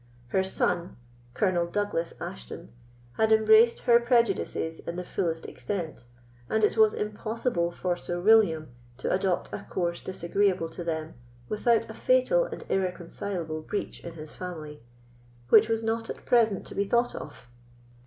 Her son, Colonel Douglas Ashton, had embraced her prejudices in the fullest extent, and it was impossible for Sir William to adopt a course disagreeable to them without a fatal and irreconcilable breach in his family; which was not at present to be thought of.